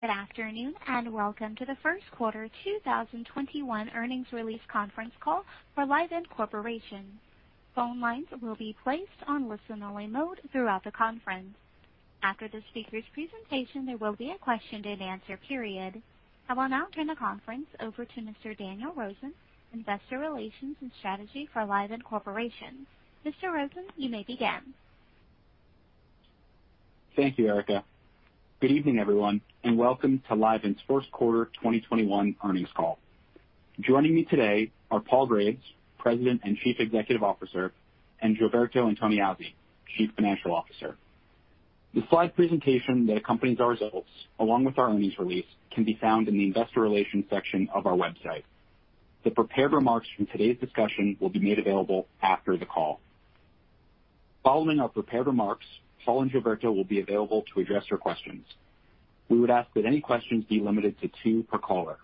Good afternoon, and welcome to the First Quarter 2021 Earnings Release Conference Call for Livent Corporation. Phone lines will be placed on listen-only mode throughout the conference. After the speaker's presentation, there will be a question-and-answer period. I will now turn the conference over to Mr. Daniel Rosen, Investor Relations and Strategy for Livent Corporation. Mr. Rosen, you may begin. Thank you, Erica. Good evening, everyone, and welcome to Livent's first quarter 2021 earnings call. Joining me today are Paul Graves, President and Chief Executive Officer, and Gilberto Antoniazzi, Chief Financial Officer. The slide presentation that accompanies our results, along with our earnings release, can be found in the Investor Relations section of our website. The prepared remarks from today's discussion will be made available after the call. Following our prepared remarks, Paul and Gilberto will be available to address your questions. We would ask that any questions be limited to two per caller.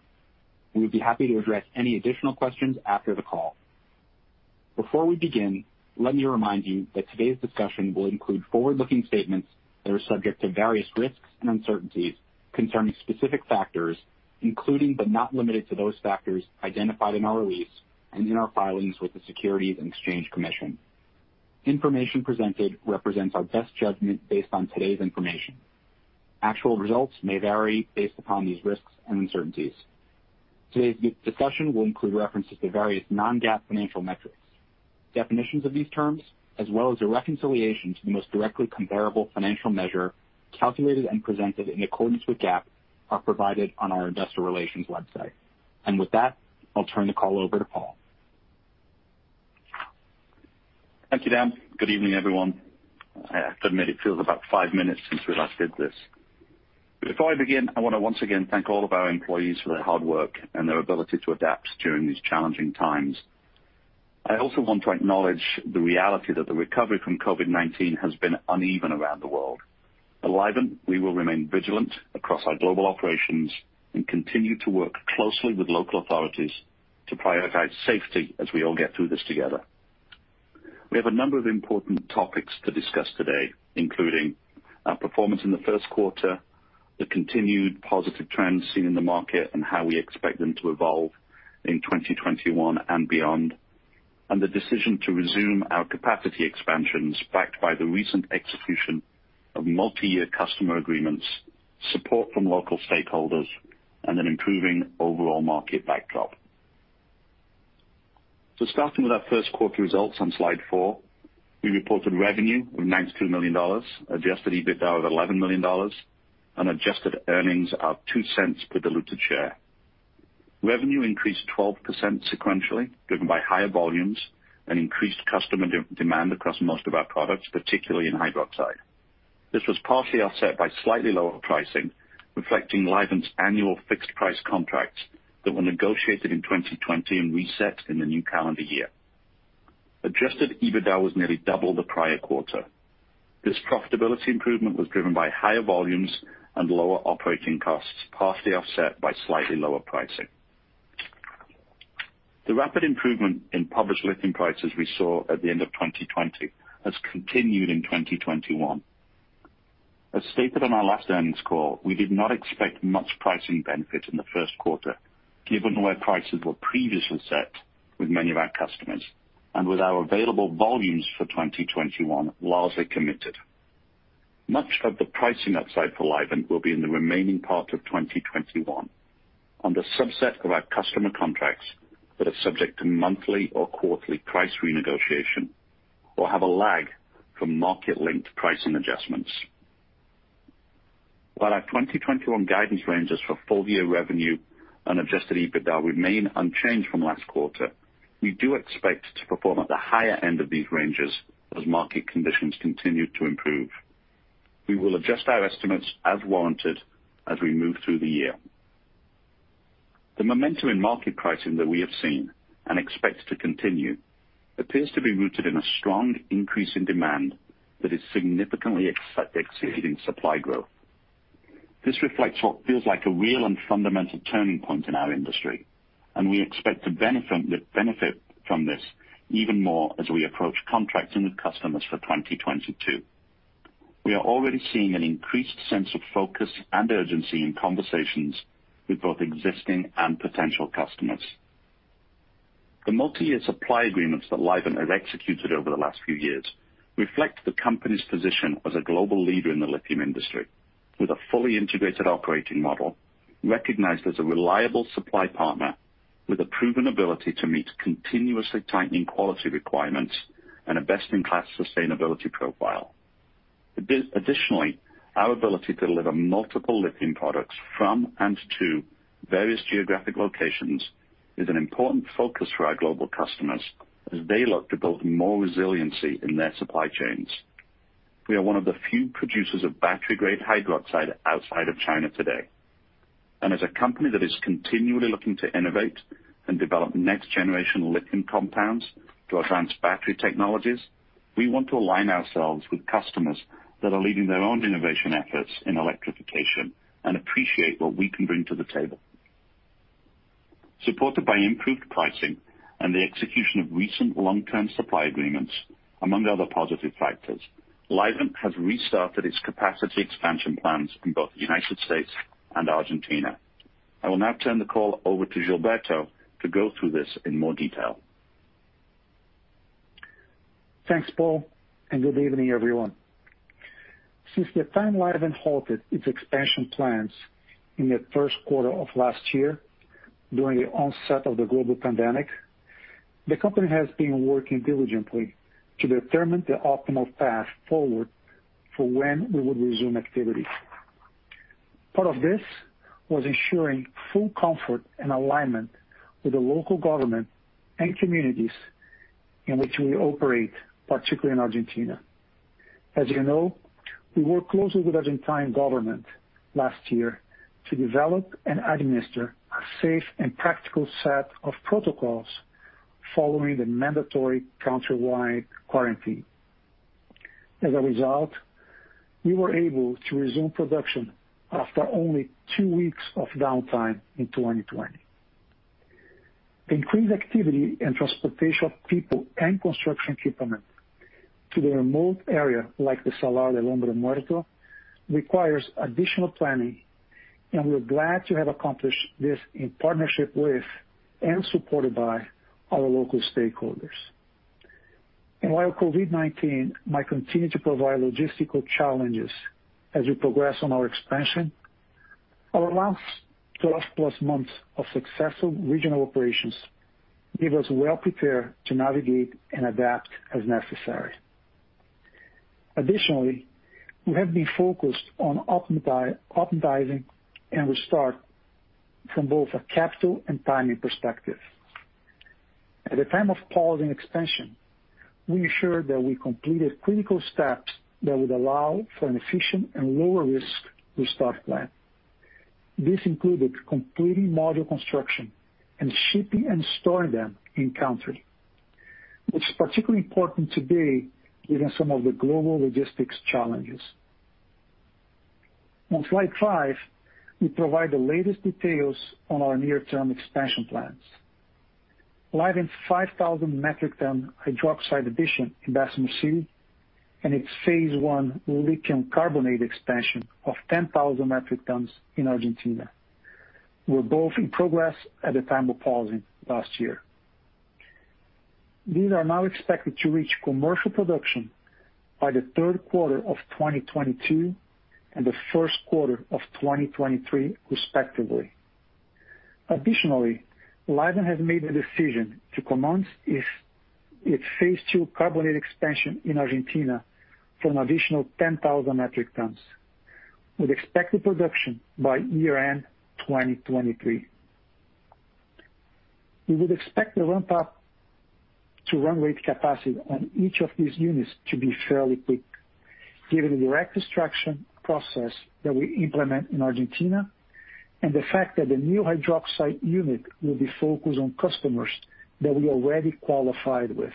We would be happy to address any additional questions after the call. Before we begin, let me remind you that today's discussion will include forward-looking statements that are subject to various risks and uncertainties concerning specific factors, including but not limited to those factors identified in our release and in our filings with the Securities and Exchange Commission. Information presented represents our best judgment based on today's information. Actual results may vary based upon these risks and uncertainties. Today's discussion will include references to various non-GAAP financial metrics. Definitions of these terms, as well as a reconciliation to the most directly comparable financial measure calculated and presented in accordance with GAAP, are provided on our Investor Relations website. With that, I'll turn the call over to Paul. Thank you, Dan. Good evening, everyone. I have to admit, it feels about five minutes since we last did this. Before I begin, I want to once again thank all of our employees for their hard work and their ability to adapt during these challenging times. I also want to acknowledge the reality that the recovery from COVID-19 has been uneven around the world. At Livent, we will remain vigilant across our global operations and continue to work closely with local authorities to prioritize safety as we all get through this together. We have a number of important topics to discuss today, including our performance in the first quarter, the continued positive trends seen in the market, and how we expect them to evolve in 2021 and beyond, and the decision to resume our capacity expansions backed by the recent execution of multi-year customer agreements, support from local stakeholders, and an improving overall market backdrop. Starting with our first quarter results on slide four, we reported revenue of $92 million, adjusted EBITDA of $11 million, and adjusted earnings of $0.02 per diluted share. Revenue increased 12% sequentially, driven by higher volumes and increased customer demand across most of our products, particularly in hydroxide. This was partially offset by slightly lower pricing, reflecting Livent's annual fixed-price contracts that were negotiated in 2020 and reset in the new calendar year. Adjusted EBITDA was nearly double the prior quarter. This profitability improvement was driven by higher volumes and lower operating costs, partially offset by slightly lower pricing. The rapid improvement in published lithium prices we saw at the end of 2020 has continued in 2021. As stated on our last earnings call, we did not expect much pricing benefit in the first quarter given where prices were previously set with many of our customers and with our available volumes for 2021 largely committed. Much of the pricing upside for Livent will be in the remaining part of 2021 on the subset of our customer contracts that are subject to monthly or quarterly price renegotiation or have a lag from market-linked pricing adjustments. While our 2021 guidance ranges for full-year revenue and adjusted EBITDA remain unchanged from last quarter, we do expect to perform at the higher end of these ranges as market conditions continue to improve. We will adjust our estimates as warranted as we move through the year. The momentum in market pricing that we have seen and expect to continue appears to be rooted in a strong increase in demand that is significantly exceeding supply growth. This reflects what feels like a real and fundamental turning point in our industry, and we expect to benefit from this even more as we approach contracting with customers for 2022. We are already seeing an increased sense of focus and urgency in conversations with both existing and potential customers. The multi-year supply agreements that Livent have executed over the last few years reflect the company's position as a global leader in the lithium industry with a fully integrated operating model recognized as a reliable supply partner with a proven ability to meet continuously tightening quality requirements and a best-in-class sustainability profile. Additionally, our ability to deliver multiple lithium products from and to various geographic locations is an important focus for our global customers as they look to build more resiliency in their supply chains. We are one of the few producers of battery-grade hydroxide outside of China today, and as a company that is continually looking to innovate and develop next-generation lithium compounds to advance battery technologies, we want to align ourselves with customers that are leading their own innovation efforts in electrification and appreciate what we can bring to the table. Supported by improved pricing and the execution of recent long-term supply agreements, among other positive factors, Livent has restarted its capacity expansion plans in both the United States and Argentina. I will now turn the call over to Gilberto to go through this in more detail. Thanks, Paul, and good evening, everyone. Since the time Livent halted its expansion plans in the first quarter of last year during the onset of the global pandemic, the company has been working diligently to determine the optimal path forward for when we would resume activity. Part of this was ensuring full comfort and alignment with the local government and communities in which we operate, particularly in Argentina. As you know, we worked closely with the Argentine government last year to develop and administer a safe and practical set of protocols following the mandatory countrywide quarantine. As a result, we were able to resume production after only two weeks of downtime in 2020. Increased activity and transportation of people and construction equipment to the remote area, like the Salar del Hombre Muerto, requires additional planning, and we're glad to have accomplished this in partnership with and supported by our local stakeholders. While COVID-19 might continue to provide logistical challenges as we progress on our expansion, our last 12+ months of successful regional operations leave us well prepared to navigate and adapt as necessary. Additionally, we have been focused on optimizing and restart from both a capital and timing perspective. At the time of pausing expansion, we ensured that we completed critical steps that would allow for an efficient and lower risk restart plan. This included completing module construction and shipping and storing them in country. It's particularly important today, given some of the global logistics challenges. On slide five, we provide the latest details on our near-term expansion plans. Livent's 5,000 metric ton hydroxide addition in Bessemer City and its phase I lithium carbonate expansion of 10,000 metric tons in Argentina were both in progress at the time of pausing last year. These are now expected to reach commercial production by the third quarter of 2022 and the first quarter of 2023, respectively. Additionally, Livent has made the decision to commence its phase II carbonate expansion in Argentina for an additional 10,000 metric tons, with expected production by year-end 2023. We would expect the ramp up to run rate capacity on each of these units to be fairly quick, given the direct extraction process that we implement in Argentina and the fact that the new hydroxide unit will be focused on customers that we already qualified with.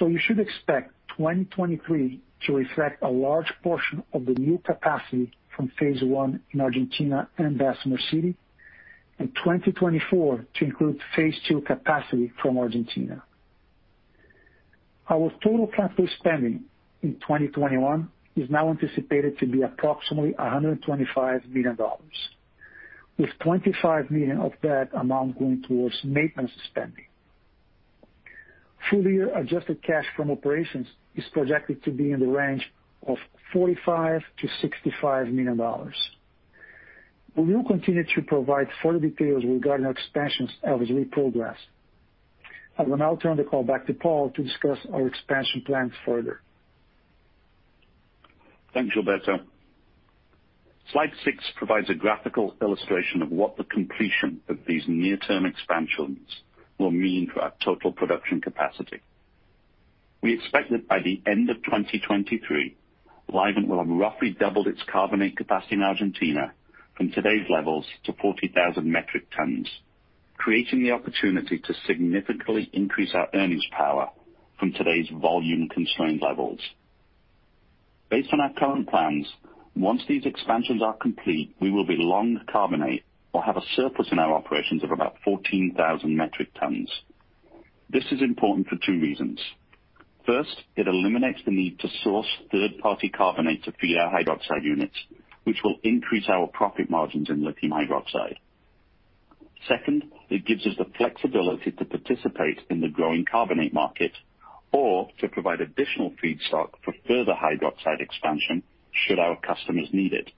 You should expect 2023 to reflect a large portion of the new capacity from phase I in Argentina and Bessemer City and 2024 to include phase II capacity from Argentina. Our total capital spending in 2021 is now anticipated to be approximately $125 million, with $25 million of that amount going towards maintenance spending. Full year adjusted cash from operations is projected to be in the range of $45 million-$65 million. We will continue to provide further details regarding our expansions as we progress. I will now turn the call back to Paul to discuss our expansion plans further. Thanks, Gilberto. Slide six provides a graphical illustration of what the completion of these near-term expansions will mean for our total production capacity. We expect that by the end of 2023, Livent will have roughly doubled its carbonate capacity in Argentina from today's levels to 40,000 metric tons, creating the opportunity to significantly increase our earnings power from today's volume constraint levels. Based on our current plans, once these expansions are complete, we will be long carbonate or have a surplus in our operations of about 14,000 metric tons. This is important for two reasons. First, it eliminates the need to source third-party carbonate to feed our hydroxide units, which will increase our profit margins in lithium hydroxide. Second, it gives us the flexibility to participate in the growing carbonate market or to provide additional feedstock for further hydroxide expansion should our customers need it.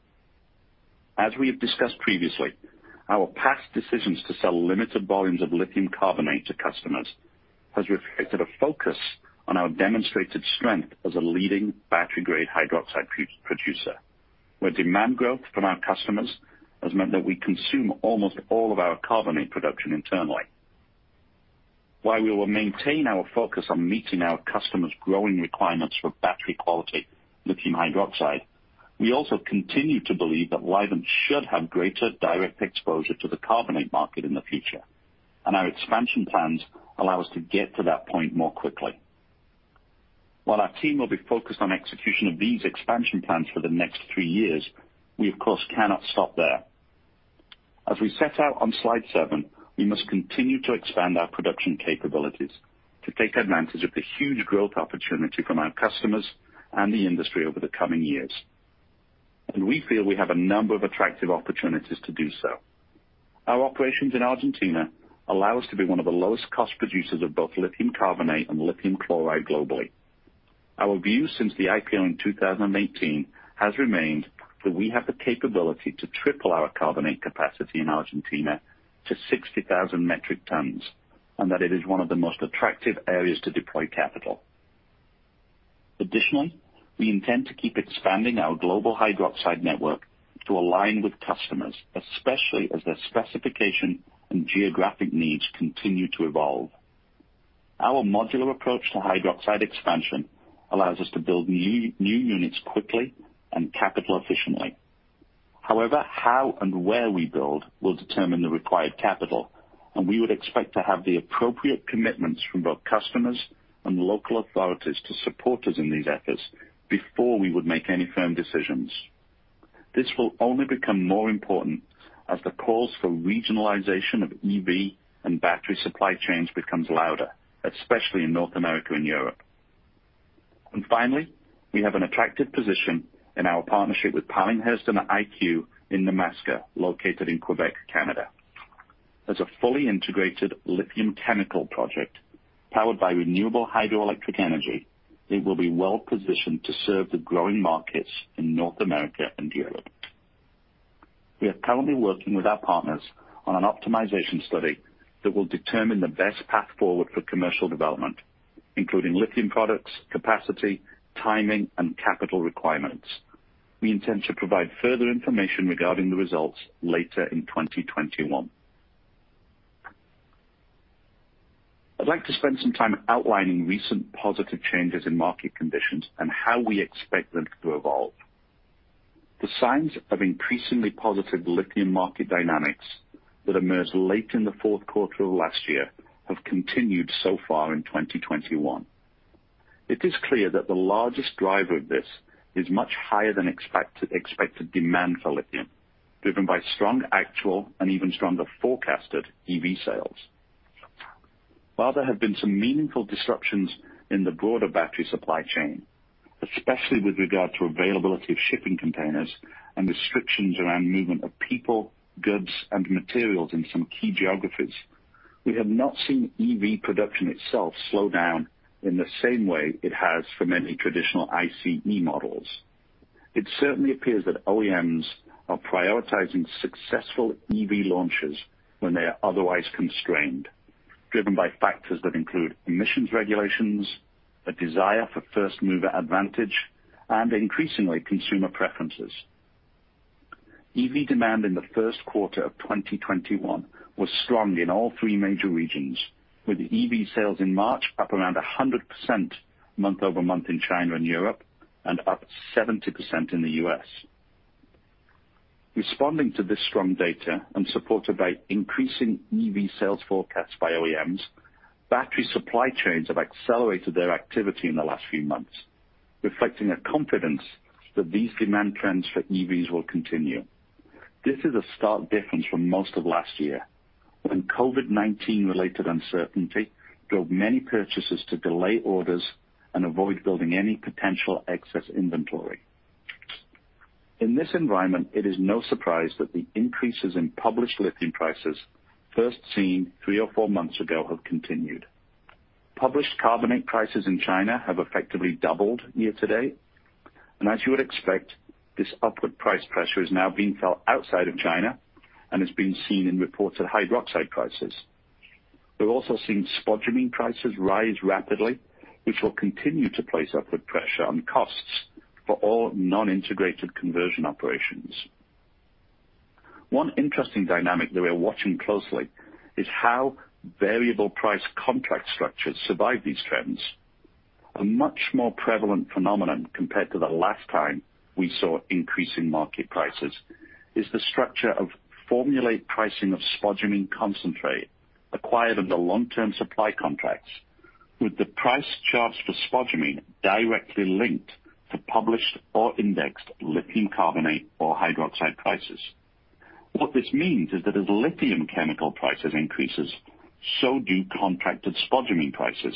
As we have discussed previously, our past decisions to sell limited volumes of lithium carbonate to customers has reflected a focus on our demonstrated strength as a leading battery-grade hydroxide producer, where demand growth from our customers has meant that we consume almost all of our carbonate production internally. While we will maintain our focus on meeting our customers' growing requirements for battery quality lithium hydroxide, we also continue to believe that Livent should have greater direct exposure to the carbonate market in the future, and our expansion plans allow us to get to that point more quickly. While our team will be focused on execution of these expansion plans for the next three years, we of course cannot stop there. As we set out on slide seven, we must continue to expand our production capabilities to take advantage of the huge growth opportunity from our customers and the industry over the coming years. We feel we have a number of attractive opportunities to do so. Our operations in Argentina allow us to be one of the lowest cost producers of both lithium carbonate and lithium chloride globally. Our view since the IPO in 2018 has remained that we have the capability to triple our carbonate capacity in Argentina to 60,000 metric tons, and that it is one of the most attractive areas to deploy capital. Additionally, we intend to keep expanding our global hydroxide network to align with customers, especially as their specification and geographic needs continue to evolve. Our modular approach to hydroxide expansion allows us to build new units quickly and capital efficiently. However, how and where we build will determine the required capital, and we would expect to have the appropriate commitments from both customers and local authorities to support us in these efforts before we would make any firm decisions. This will only become more important as the calls for regionalization of EV and battery supply chains becomes louder, especially in North America and Europe. Finally, we have an attractive position in our partnership with Pallinghurst and IQ in Nemaska, located in Québec, Canada. As a fully integrated lithium chemical project powered by renewable hydroelectric energy, it will be well-positioned to serve the growing markets in North America and Europe. We are currently working with our partners on an optimization study that will determine the best path forward for commercial development, including lithium products, capacity, timing, and capital requirements. We intend to provide further information regarding the results later in 2021. I'd like to spend some time outlining recent positive changes in market conditions and how we expect them to evolve. The signs of increasingly positive lithium market dynamics that emerged late in the fourth quarter of last year have continued so far in 2021. It is clear that the largest driver of this is much higher than expected demand for lithium, driven by strong actual and even stronger forecasted EV sales. While there have been some meaningful disruptions in the broader battery supply chain, especially with regard to availability of shipping containers and restrictions around movement of people, goods, and materials in some key geographies, we have not seen EV production itself slow down in the same way it has for many traditional ICE models. It certainly appears that OEMs are prioritizing successful EV launches when they are otherwise constrained, driven by factors that include emissions regulations, a desire for first-mover advantage, and increasingly, consumer preferences. EV demand in the first quarter of 2021 was strong in all three major regions, with EV sales in March up around 100% month-over-month in China and Europe, and up 70% in the U.S. Responding to this strong data and supported by increasing EV sales forecasts by OEMs, battery supply chains have accelerated their activity in the last few months, reflecting a confidence that these demand trends for EVs will continue. This is a stark difference from most of last year, when COVID-19 related uncertainty drove many purchasers to delay orders and avoid building any potential excess inventory. In this environment, it is no surprise that the increases in published lithium prices first seen three or four months ago have continued. Published carbonate prices in China have effectively doubled year to date, and as you would expect, this upward price pressure is now being felt outside of China and is being seen in reports of hydroxide prices. We've also seen spodumene prices rise rapidly, which will continue to place upward pressure on costs for all non-integrated conversion operations. One interesting dynamic that we're watching closely is how variable price contract structures survive these trends. A much more prevalent phenomenon compared to the last time we saw increasing market prices is the structure of formulate pricing of spodumene concentrate acquired under long-term supply contracts, with the price charged for spodumene directly linked to published or indexed lithium carbonate or hydroxide prices. What this means is that as lithium chemical prices increases, so do contracted spodumene prices,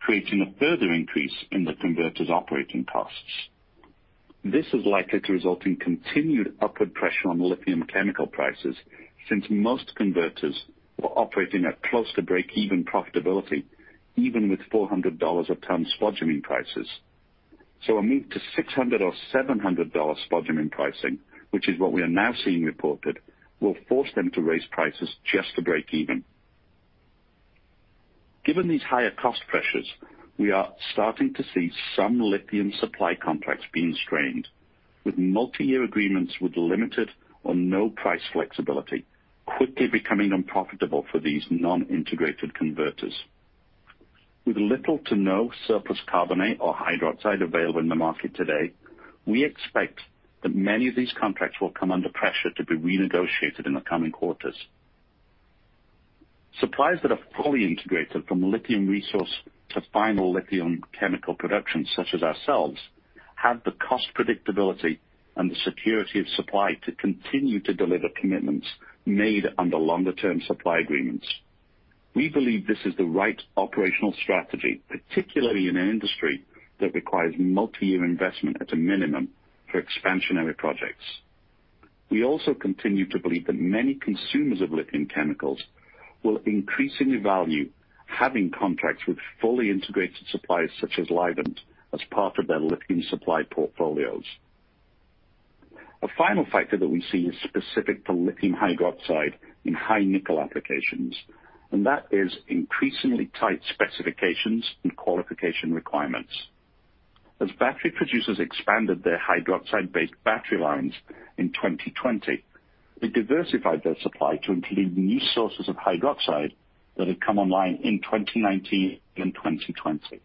creating a further increase in the converter's operating costs. This is likely to result in continued upward pressure on lithium chemical prices since most converters are operating at close to break-even profitability, even with $400 a ton spodumene prices. A move to $600 or $700 spodumene pricing, which is what we are now seeing reported, will force them to raise prices just to break even. Given these higher cost pressures, we are starting to see some lithium supply contracts being strained, with multi-year agreements with limited or no price flexibility quickly becoming unprofitable for these non-integrated converters. With little to no surplus carbonate or hydroxide available in the market today, we expect that many of these contracts will come under pressure to be renegotiated in the coming quarters. Suppliers that have fully integrated from lithium resource to final lithium chemical production, such as ourselves, have the cost predictability and the security of supply to continue to deliver commitments made under longer-term supply agreements. We believe this is the right operational strategy, particularly in an industry that requires multi-year investment at a minimum for expansionary projects. We also continue to believe that many consumers of lithium chemicals will increasingly value having contracts with fully integrated suppliers such as Livent as part of their lithium supply portfolios. A final factor that we see is specific to lithium hydroxide in high nickel applications, and that is increasingly tight specifications and qualification requirements. As battery producers expanded their hydroxide-based battery lines in 2020, they diversified their supply to include new sources of hydroxide that had come online in 2019 and 2020.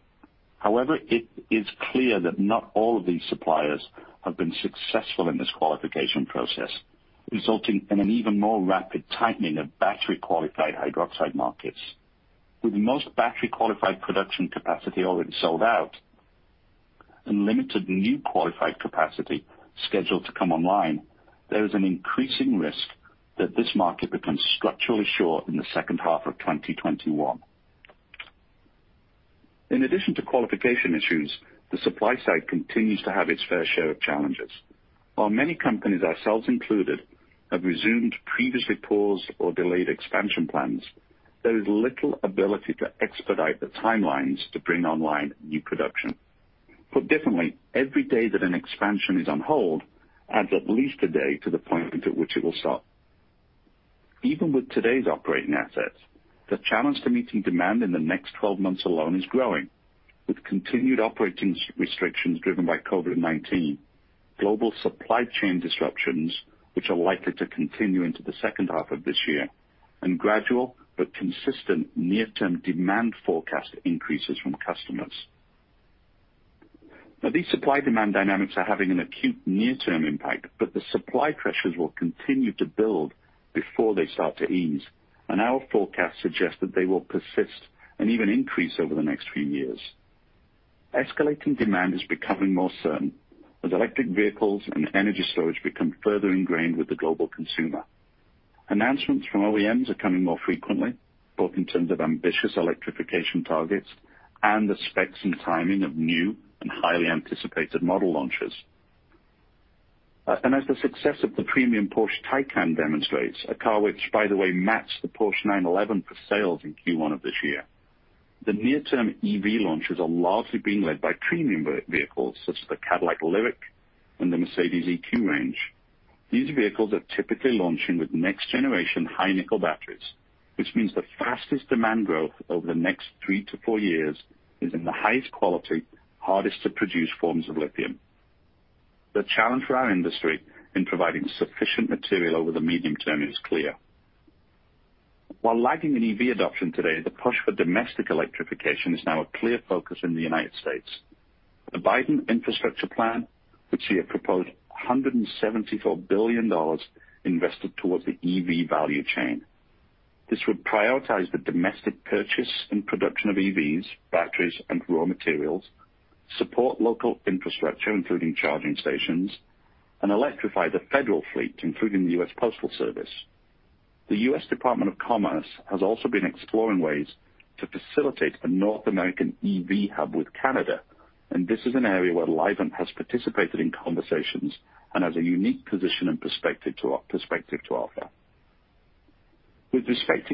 It is clear that not all of these suppliers have been successful in this qualification process, resulting in an even more rapid tightening of battery-qualified hydroxide markets. With most battery qualified production capacity already sold out and limited new qualified capacity scheduled to come online, there is an increasing risk that this market becomes structurally short in the second half of 2021. In addition to qualification issues, the supply side continues to have its fair share of challenges. While many companies, ourselves included, have resumed previously paused or delayed expansion plans, there is little ability to expedite the timelines to bring online new production. Put differently, every day that an expansion is on hold adds at least a day to the point at which it will start. Even with today's operating assets, the challenge to meeting demand in the next 12 months alone is growing with continued operating restrictions driven by COVID-19, global supply chain disruptions, which are likely to continue into the second half of this year, and gradual but consistent near-term demand forecast increases from customers. Now, these supply demand dynamics are having an acute near-term impact, but the supply pressures will continue to build before they start to ease, and our forecasts suggest that they will persist and even increase over the next few years. Escalating demand is becoming more certain as electric vehicles and energy storage become further ingrained with the global consumer. Announcements from OEMs are coming more frequently, both in terms of ambitious electrification targets and the specs and timing of new and highly anticipated model launches. As the success of the premium Porsche Taycan demonstrates, a car which, by the way, matched the Porsche 911 for sales in Q1 of this year, the near term EV launches are largely being led by premium vehicles such as the Cadillac Lyriq and the Mercedes-EQ range. These vehicles are typically launching with next generation high nickel batteries, which means the fastest demand growth over the next three to four years is in the highest quality, hardest to produce forms of lithium. The challenge for our industry in providing sufficient material over the medium term is clear. While lagging in EV adoption today, the push for domestic electrification is now a clear focus in the United States. The Biden infrastructure plan, which he had proposed $174 billion invested towards the EV value chain. This would prioritize the domestic purchase and production of EVs, batteries, and raw materials, support local infrastructure, including charging stations, and electrify the federal fleet, including the U.S. Postal Service. This is an area where Livent has participated in conversations and has a unique position and perspective to offer. With respect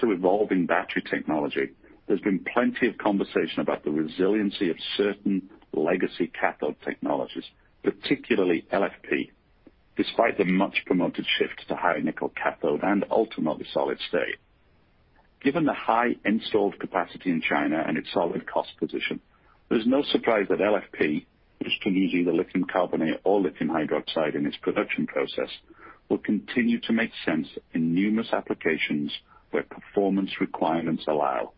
to evolving battery technology, there's been plenty of conversation about the resiliency of certain legacy cathode technologies, particularly LFP, despite the much promoted shift to high nickel cathode and ultimately solid-state. Given the high installed capacity in China and its solid cost position, there's no surprise that LFP, which can use either lithium carbonate or lithium hydroxide in its production process, will continue to make sense in numerous applications where performance requirements allow.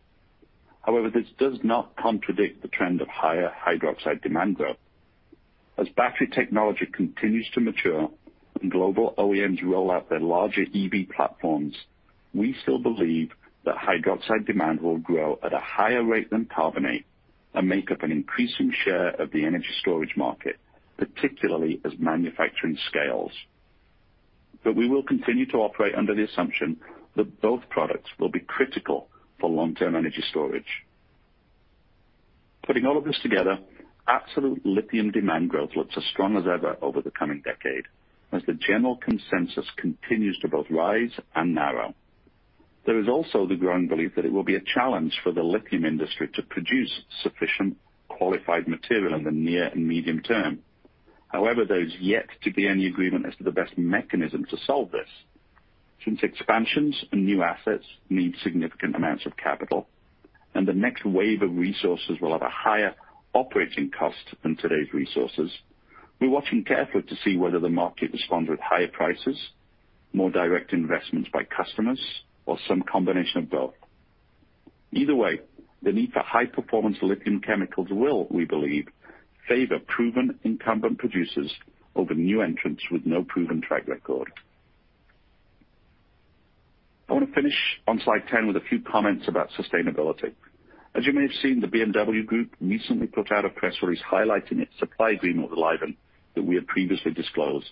However, this does not contradict the trend of higher hydroxide demand growth. As battery technology continues to mature and global OEMs roll out their larger EV platforms, we still believe that hydroxide demand will grow at a higher rate than carbonate and make up an increasing share of the energy storage market, particularly as manufacturing scales. We will continue to operate under the assumption that both products will be critical for long-term energy storage. Putting all of this together, absolute lithium demand growth looks as strong as ever over the coming decade, as the general consensus continues to both rise and narrow. There is also the growing belief that it will be a challenge for the lithium industry to produce sufficient qualified material in the near and medium term. There's yet to be any agreement as to the best mechanism to solve this. Expansions and new assets need significant amounts of capital and the next wave of resources will have a higher operating cost than today's resources, we're watching carefully to see whether the market responds with higher prices, more direct investments by customers, or some combination of both. The need for high-performance lithium chemicals will, we believe, favor proven incumbent producers over new entrants with no proven track record. I want to finish on slide 10 with a few comments about sustainability. As you may have seen, the BMW Group recently put out a press release highlighting its supply agreement with Livent that we had previously disclosed.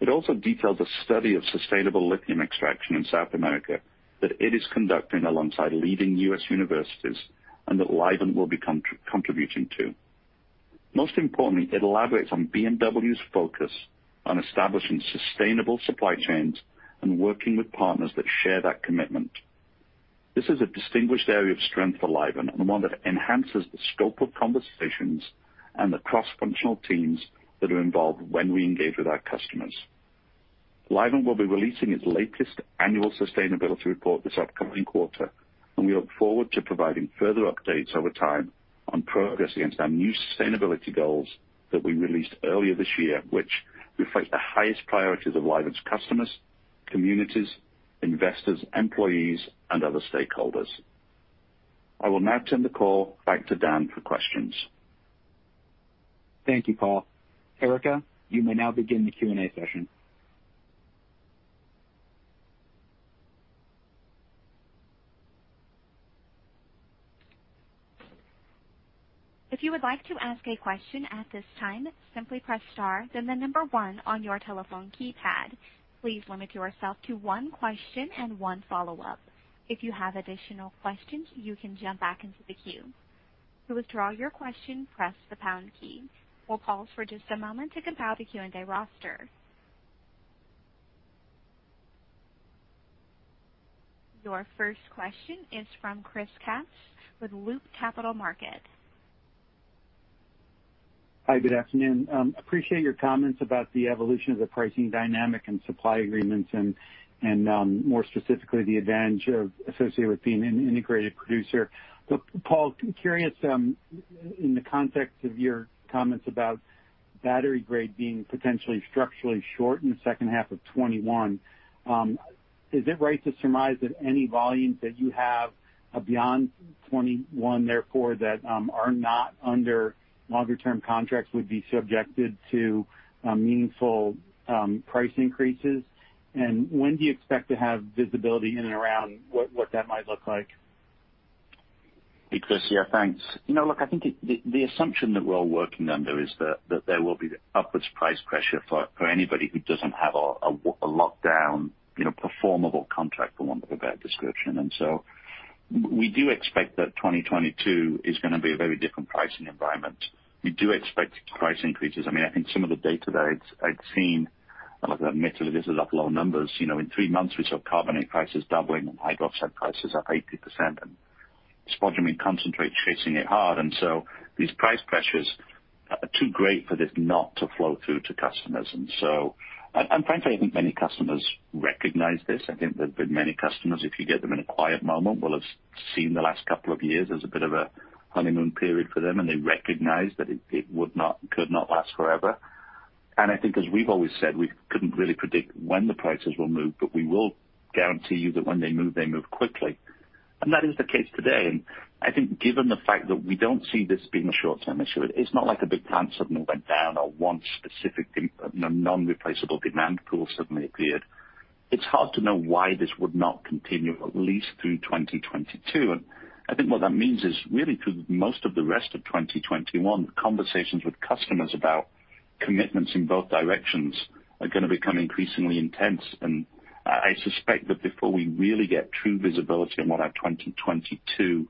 It also details a study of sustainable lithium extraction in South America that it is conducting alongside leading U.S. universities and that Livent will be contributing to. Most importantly, it elaborates on BMW's focus on establishing sustainable supply chains and working with partners that share that commitment. This is a distinguished area of strength for Livent and one that enhances the scope of conversations and the cross-functional teams that are involved when we engage with our customers. Livent will be releasing its latest annual sustainability report this upcoming quarter, and we look forward to providing further updates over time on progress against our new sustainability goals that we released earlier this year, which reflect the highest priorities of Livent's customers, communities, investors, employees, and other stakeholders. I will now turn the call back to Dan for questions. Thank you, Paul. Erica, you may now begin the Q&A session. If you would like to ask a question at this time, simply press star then the number one on your telephone keypad. Please limit your yourself to one question and one follow-up. If you have additional questions, you can jump back into the queue. To withdraw your question, press the pound key. We'll pause for just a moment to compile the Q&A roster. Your first question is from Chris Kapsch with Loop Capital Markets. Hi, good afternoon. Appreciate your comments about the evolution of the pricing dynamic and supply agreements and more specifically, the advantage associated with being an integrated producer. Paul, curious in the context of your comments about battery grade being potentially structurally short in the second half of 2021, is it right to surmise that any volumes that you have beyond 2021, therefore that are not under longer term contracts would be subjected to meaningful price increases? When do you expect to have visibility in and around what that might look like? Hey, Chris. Yeah, thanks. Look, I think the assumption that we're all working under is that there will be upwards price pressure for anybody who doesn't have a lockdown performable contract, for want of a better description. We do expect that 2022 is going to be a very different pricing environment. We do expect price increases. I think some of the data that I've seen, look, I admit there's a lot of low numbers. In three months we saw carbonate prices doubling and hydroxide prices up 80%, and spodumene concentrate chasing it hard. These price pressures are too great for this not to flow through to customers. Frankly, I think many customers recognize this. I think there have been many customers, if you get them in a quiet moment, will have seen the last couple of years as a bit of a honeymoon period for them, and they recognize that it could not last forever. I think as we've always said, we couldn't really predict when the prices will move, but we will guarantee you that when they move, they move quickly. That is the case today. I think given the fact that we don't see this being a short-term issue, it's not like a big plant suddenly went down or one specific non-replaceable demand pool suddenly appeared. It's hard to know why this would not continue at least through 2022. I think what that means is really through most of the rest of 2021, conversations with customers about commitments in both directions are going to become increasingly intense. I suspect that before we really get true visibility on what our 2022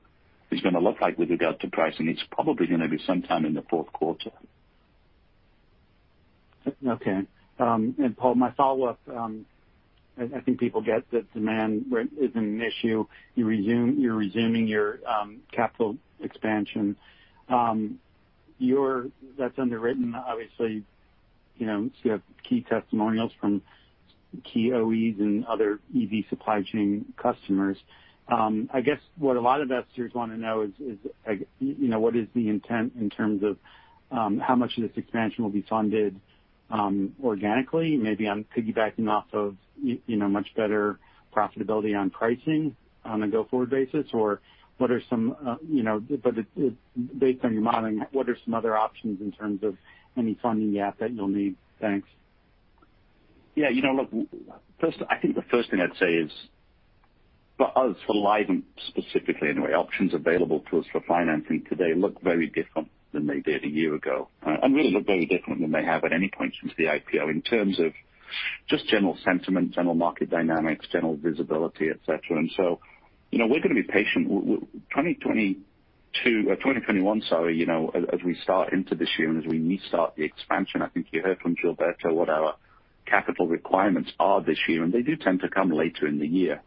is going to look like with regard to pricing, it's probably going to be sometime in the fourth quarter. Okay. Paul, my follow-up, I think people get that demand isn't an issue. You're resuming your capital expansion. That's underwritten, obviously, so you have key testimonials from key OEs and other EV supply chain customers. I guess what a lot of investors want to know is what is the intent in terms of how much of this expansion will be funded organically, maybe I'm piggybacking off of much better profitability on pricing on a go-forward basis, or based on your modeling, what are some other options in terms of any funding gap that you'll need? Thanks. Yeah. Look, I think the first thing I'd say is for us, for Livent specifically anyway, options available to us for financing today look very different than they did a year ago. Really look very different than they have at any point since the IPO in terms of just general sentiment, general market dynamics, general visibility, et cetera. We're going to be patient. 2022 or 2021, sorry, as we start into this year and as we restart the expansion, I think you heard from Gilberto what our capital requirements are this year, and they do tend to come later in the year.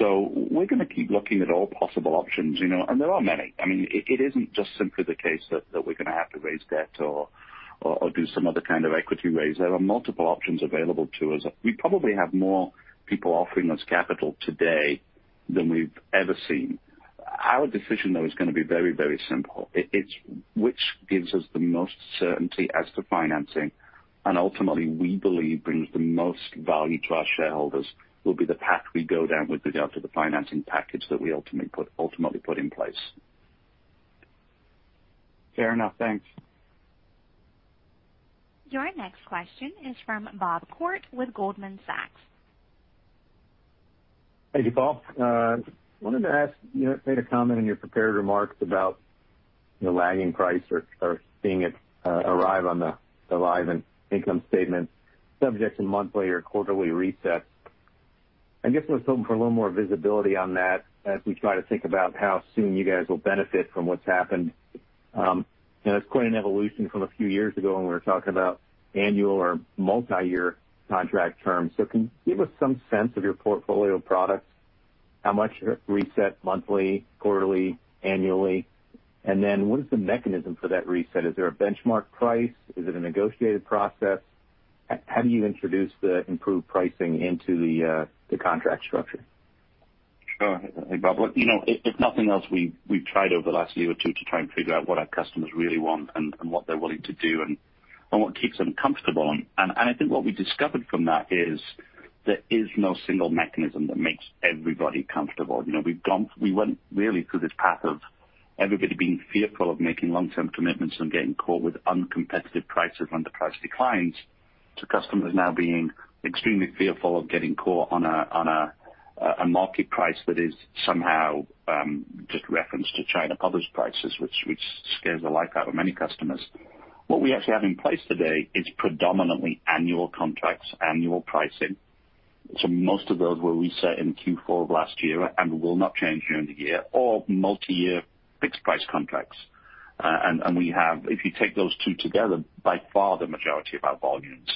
We're going to keep looking at all possible options, and there are many. It isn't just simply the case that we're going to have to raise debt or do some other kind of equity raise. There are multiple options available to us. We probably have more people offering us capital today than we've ever seen. Our decision, though, is going to be very simple. It's which gives us the most certainty as to financing and ultimately we believe brings the most value to our shareholders will be the path we go down with regard to the financing package that we ultimately put in place. Fair enough. Thanks. Your next question is from Bob Koort with Goldman Sachs. Thank you. Paul, I wanted to ask, you made a comment in your prepared remarks about lagging price or seeing it arrive on the Livent income statement subject to monthly or quarterly resets. I guess I was hoping for a little more visibility on that as we try to think about how soon you guys will benefit from what's happened. It's quite an evolution from a few years ago when we were talking about annual or multi-year contract terms. Can you give us some sense of your portfolio of products, how much reset monthly, quarterly, annually, and then what is the mechanism for that reset? Is there a benchmark price? Is it a negotiated process? How do you introduce the improved pricing into the contract structure? Sure. Bob, look, if nothing else, we've tried over the last year or two to try and figure out what our customers really want and what they're willing to do and what keeps them comfortable. I think what we discovered from that is there is no single mechanism that makes everybody comfortable. We went really through this path of everybody being fearful of making long-term commitments and getting caught with uncompetitive prices when the price declines to customers now being extremely fearful of getting caught on a market price that is somehow just referenced to China published prices, which scares the life out of many customers. What we actually have in place today is predominantly annual contracts, annual pricing. Most of those were reset in Q4 of last year and will not change during the year or multi-year fixed price contracts. We have, if you take those two together, by far the majority of our volumes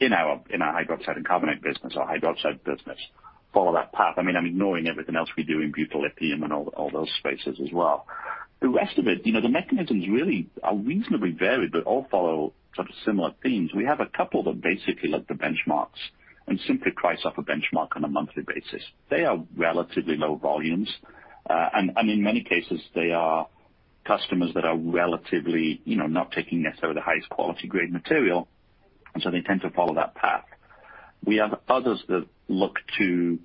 in our hydroxide and carbonate business or hydroxide business follow that path. I'm ignoring everything else we do in butyllithium and all those spaces as well. The rest of it, the mechanisms really are reasonably varied, but all follow sort of similar themes. We have a couple that basically look to benchmarks and simply price off a benchmark on a monthly basis. They are relatively low volumes. In many cases, they are customers that are relatively not taking necessarily the highest quality grade material, and so they tend to follow that path. We have others that look to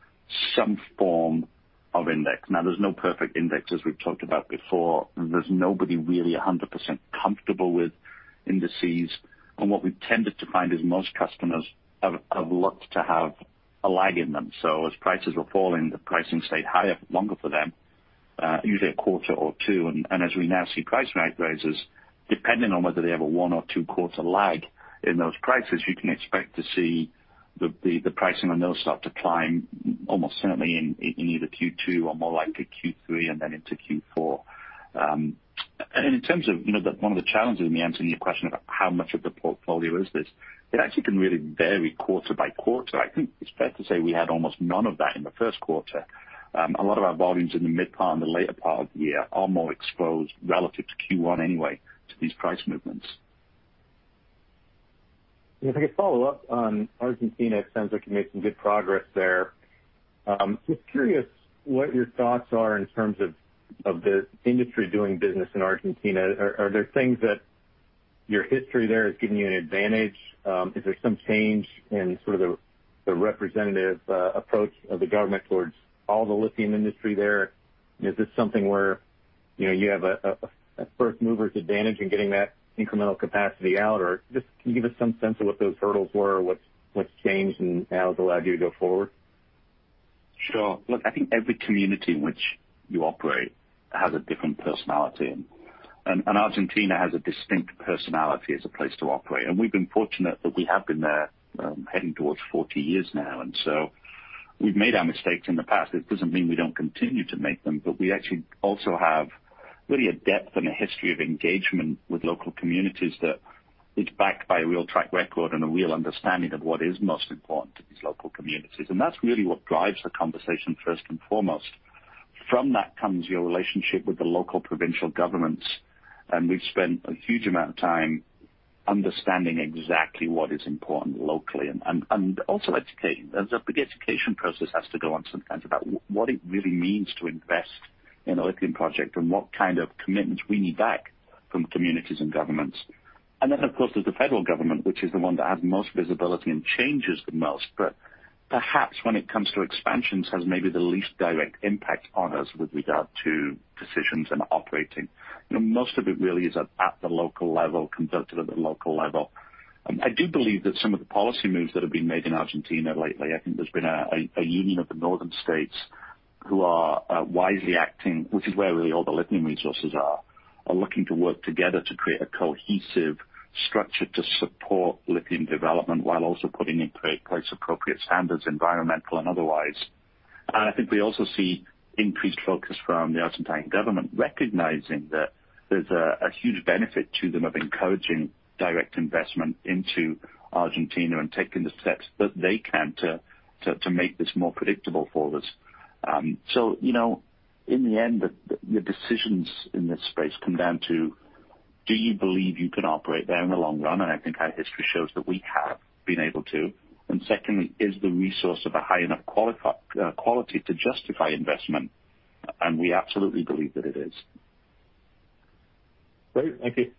some form of index. There's no perfect index, as we've talked about before. There's nobody really 100% comfortable with indices. What we've tended to find is most customers have looked to have a lag in them. As prices were falling, the pricing stayed higher longer for them, usually a quarter or two. As we now see price rate raises, depending on whether they have a one or two quarter lag in those prices, you can expect to see the pricing on those start to climb almost certainly in either Q2 or more likely Q3 and then into Q4. In terms of one of the challenges in me answering your question about how much of the portfolio is this, it actually can really vary quarter by quarter. I think it's fair to say we had almost none of that in the first quarter. A lot of our volumes in the mid part and the later part of the year are more exposed relative to Q1 anyway to these price movements. If I could follow up on Argentina, it sounds like you made some good progress there. Just curious what your thoughts are in terms of the industry doing business in Argentina? Are there things that your history there is giving you an advantage? Is there some change in sort of the representative approach of the government towards all the lithium industry there? Is this something where you have a first mover's advantage in getting that incremental capacity out? Just can you give us some sense of what those hurdles were, what's changed, and how it's allowed you to go forward? Sure. Look, I think every community in which you operate has a different personality, and Argentina has a distinct personality as a place to operate. We've been fortunate that we have been there heading towards 40 years now. We've made our mistakes in the past. It doesn't mean we don't continue to make them, but we actually also have really a depth and a history of engagement with local communities that is backed by a real track record and a real understanding of what is most important to these local communities. That's really what drives the conversation first and foremost. From that comes your relationship with the local provincial governments, and we've spent a huge amount of time understanding exactly what is important locally and also educating. There's a big education process has to go on sometimes about what it really means to invest in a lithium project and what kind of commitments we need back from communities and governments. Of course, there's the federal government, which is the one that has most visibility and changes the most, but perhaps when it comes to expansions, has maybe the least direct impact on us with regard to decisions and operating. Most of it really is at the local level, conducted at the local level. I do believe that some of the policy moves that have been made in Argentina lately, I think there's been a union of the northern states who are wisely acting, which is where really all the lithium resources are looking to work together to create a cohesive structure to support lithium development while also putting in place appropriate standards, environmental and otherwise. I think we also see increased focus from the Argentine government recognizing that there's a huge benefit to them of encouraging direct investment into Argentina and taking the steps that they can to make this more predictable for us. In the end, the decisions in this space come down to, do you believe you can operate there in the long run? I think our history shows that we have been able to. Secondly, is the resource of a high enough quality to justify investment? We absolutely believe that it is. Great. Thank you.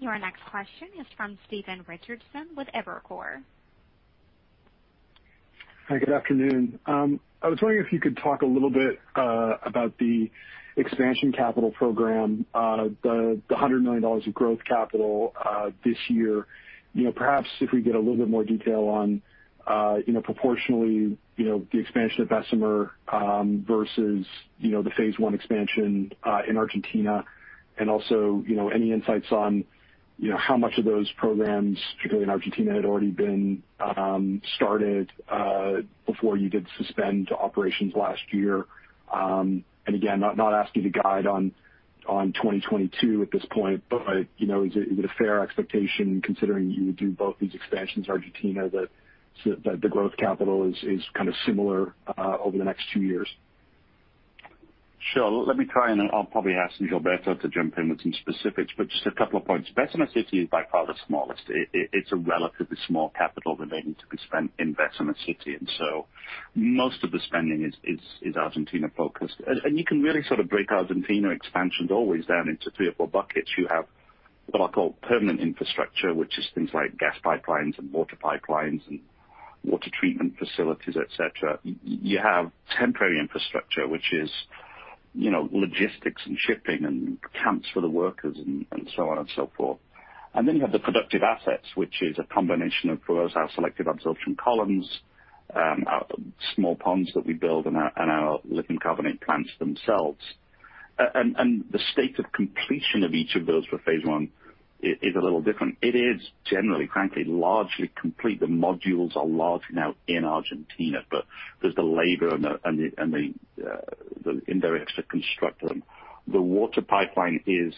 Your next question is from Stephen Richardson with Evercore. Hi, good afternoon. I was wondering if you could talk a little bit about the expansion capital program, the $100 million of growth capital this year. Perhaps if we get a little bit more detail on, proportionally, the expansion of Bessemer versus the phase I expansion in Argentina, and also any insights on how much of those programs, particularly in Argentina, had already been started before you did suspend operations last year. Again, not asking you to guide on 2022 at this point, but is it a fair expectation, considering you would do both these expansions in Argentina, that the growth capital is kind of similar over the next two years? Sure. Let me try, and then I'll probably ask Gilberto to jump in with some specifics. Just a couple of points. Bessemer City is by far the smallest. It's a relatively small capital remaining to be spent in Bessemer City. Most of the spending is Argentina focused. You can really sort of break Argentina expansions always down into three or four buckets. You have what I call permanent infrastructure, which is things like gas pipelines and water pipelines and water treatment facilities, et cetera. You have temporary infrastructure, which is logistics and shipping and camps for the workers and so on and so forth. You have the productive assets, which is a combination of our selective absorption columns, our small ponds that we build and our lithium carbonate plants themselves. The state of completion of each of those for phase I is a little different. It is generally, frankly, largely complete. The modules are largely now in Argentina, but there's the labor and the indirects to construct them. The water pipeline is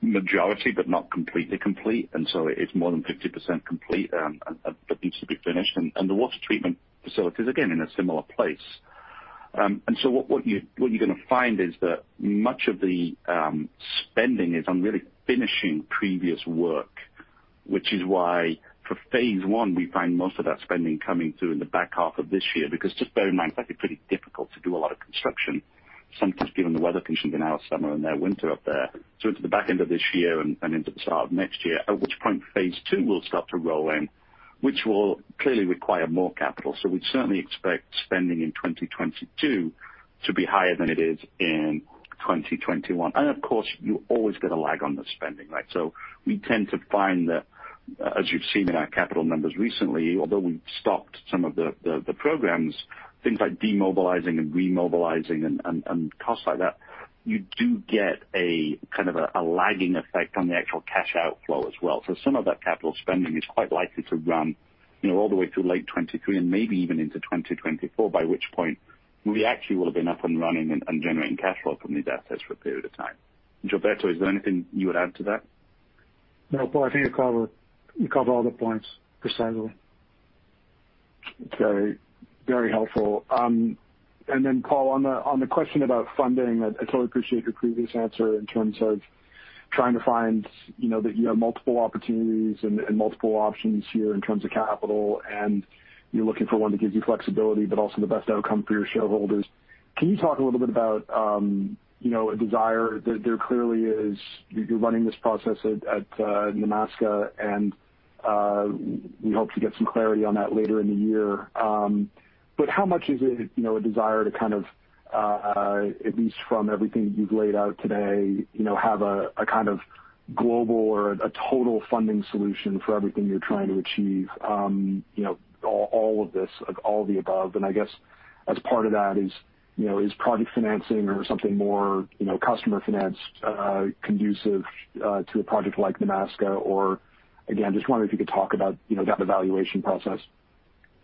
majority, but not completely complete. It is more than 50% complete, but needs to be finished. The water treatment facility is, again, in a similar place. What you're going to find is that much of the spending is on really finishing previous work, which is why for phase I, we find most of that spending coming through in the back half of this year, because just bear in mind, it's actually pretty difficult to do a lot of construction sometimes given the weather conditions in our summer and their winter up there. Into the back end of this year and into the start of next year, at which point phase two will start to roll in, which will clearly require more capital. We'd certainly expect spending in 2022 to be higher than it is in 2021. Of course, you always get a lag on the spending, right. We tend to find that, as you've seen in our capital numbers recently, although we've stopped some of the programs, things like demobilizing and remobilizing and costs like that, you do get a kind of a lagging effect on the actual cash outflow as well. Some of that capital spending is quite likely to run all the way through late 2023 and maybe even into 2024, by which point we actually will have been up and running and generating cash flow from these assets for a period of time. Gilberto, is there anything you would add to that? No, Paul, I think you covered all the points precisely. Very helpful. Paul, on the question about funding, I totally appreciate your previous answer in terms of trying to find that you have multiple opportunities and multiple options here in terms of capital, and you're looking for one that gives you flexibility, but also the best outcome for your shareholders. Can you talk a little bit about a desire? There clearly is. You're running this process at Nemaska, and we hope to get some clarity on that later in the year. How much is it a desire to kind of, at least from everything you've laid out today, have a kind of global or a total funding solution for everything you're trying to achieve? All of this, all of the above. I guess as part of that is project financing or something more customer financed conducive to a project like Nemaska or. Again, just wondering if you could talk about that evaluation process?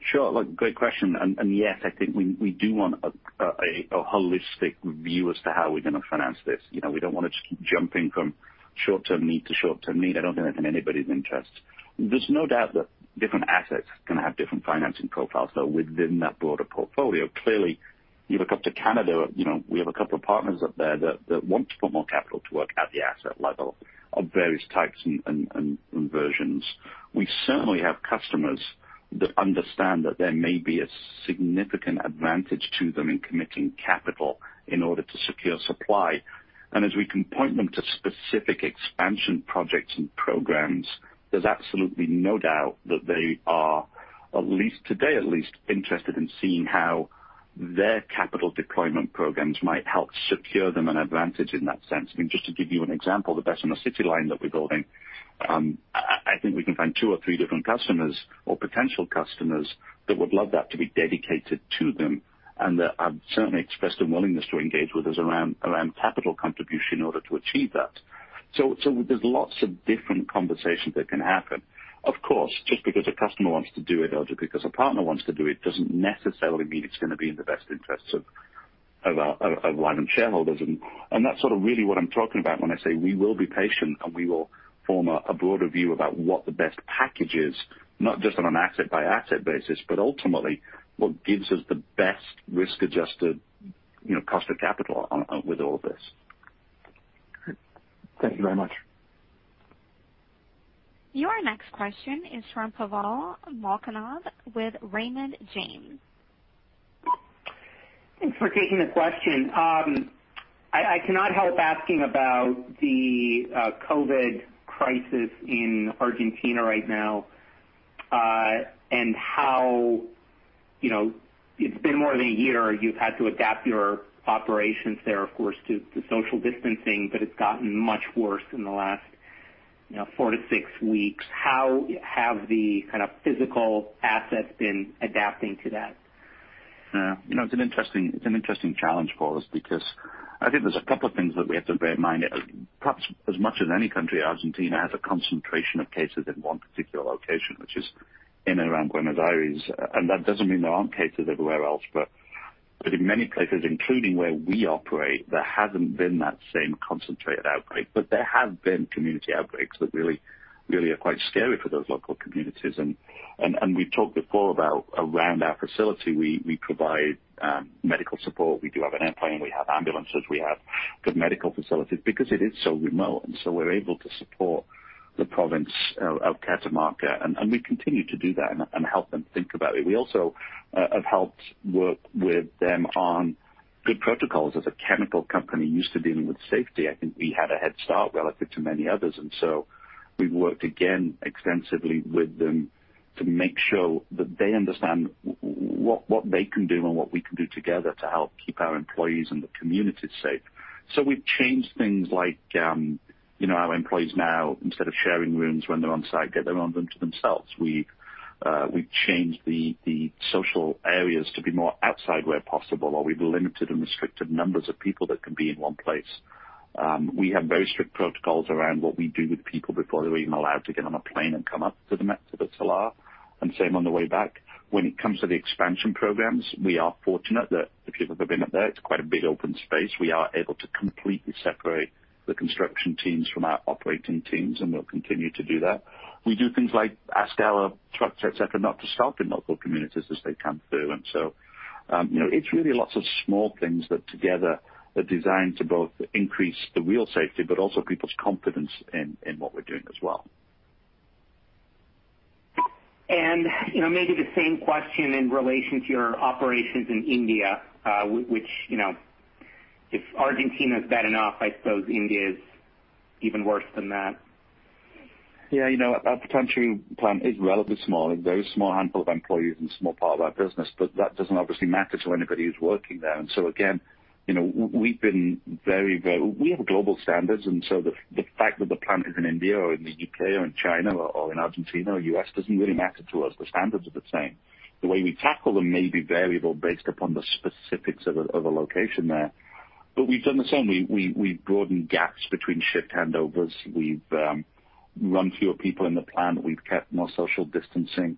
Sure. Look, great question. Yes, I think we do want a holistic view as to how we're going to finance this. We don't want to just keep jumping from short-term need to short-term need. I don't think that's in anybody's interest. There's no doubt that different assets can have different financing profiles. Within that broader portfolio, clearly, you look up to Canada, we have two partners up there that want to put more capital to work at the asset level of various types and versions. We certainly have customers that understand that there may be a significant advantage to them in committing capital in order to secure supply. As we can point them to specific expansion projects and programs, there's absolutely no doubt that they are, today at least, interested in seeing how their capital deployment programs might help secure them an advantage in that sense. I mean, just to give you an example, the Bessemer City line that we're building, I think we can find two or three different customers or potential customers that would love that to be dedicated to them, and that have certainly expressed a willingness to engage with us around capital contribution in order to achieve that. There's lots of different conversations that can happen. Of course, just because a customer wants to do it or just because a partner wants to do it doesn't necessarily mean it's going to be in the best interests of Livent shareholders. That's sort of really what I'm talking about when I say we will be patient and we will form a broader view about what the best package is, not just on an asset-by-asset basis, but ultimately what gives us the best risk-adjusted cost of capital with all of this. Thank you very much. Your next question is from Pavel Molchanov with Raymond James. Thanks for taking the question. I cannot help asking about the COVID crisis in Argentina right now, and how it's been more than a year, you've had to adapt your operations there, of course, to social distancing, but it's gotten much worse in the last four to six weeks. How have the physical assets been adapting to that? Yeah. It's an interesting challenge for us because I think there's a couple of things that we have to bear in mind. Perhaps as much as any country, Argentina has a concentration of cases in one particular location, which is in and around Buenos Aires. That doesn't mean there aren't cases everywhere else, but in many places, including where we operate, there hasn't been that same concentrated outbreak. There have been community outbreaks that really are quite scary for those local communities. We've talked before about around our facility, we provide medical support. We do have an airplane, we have ambulances, we have good medical facilities because it is so remote, and so we're able to support the province of Catamarca, and we continue to do that and help them think about it. We also have helped work with them on good protocols. As a chemical company used to dealing with safety, I think we had a head start relative to many others. We've worked again extensively with them to make sure that they understand what they can do and what we can do together to help keep our employees and the community safe. We've changed things like our employees now, instead of sharing rooms when they're on-site, get their own rooms to themselves. We've changed the social areas to be more outside where possible, or we've limited and restricted numbers of people that can be in one place. We have very strict protocols around what we do with people before they're even allowed to get on a plane and come up to the Salar, and same on the way back. When it comes to the expansion programs, we are fortunate that if you've ever been up there, it's quite a big open space. We are able to completely separate the construction teams from our operating teams, and we'll continue to do that. We do things like ask our trucks, et cetera, not to stop in local communities as they come through. It's really lots of small things that together are designed to both increase the real safety, but also people's confidence in what we're doing as well. Maybe the same question in relation to your operations in India, which, if Argentina's bad enough, I suppose India is even worse than that. Yeah. Our Patancheru plant is relatively small. It's a very small handful of employees and small part of our business, but that doesn't obviously matter to anybody who's working there. Again, we have global standards, and so the fact that the plant is in India or in the U.K. or in China or in Argentina or U.S. doesn't really matter to us. The standards are the same. The way we tackle them may be variable based upon the specifics of a location there. We've done the same. We've broadened gaps between shift handovers. We've run fewer people in the plant. We've kept more social distancing.